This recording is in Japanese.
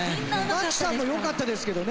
牧さんもよかったですけどね。